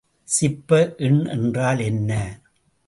சிப்ப எண் என்றால் என்ன?